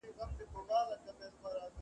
دا کښېناستل له هغه ګټورې دي